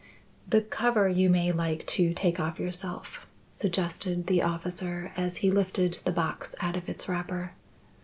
"The cover you may like to take off yourself," suggested the officer, as he lifted the box out of its wrapper.